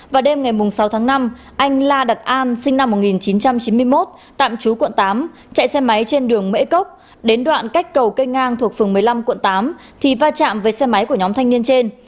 vào đêm ngày sáu tháng năm anh la đặt an sinh năm một nghìn chín trăm chín mươi một tạm trú quận tám chạy xe máy trên đường mễ cốc đến đoạn cách cầu kênh ngang thuộc phường một mươi năm quận tám thì va chạm với xe máy của nhóm thanh niên trên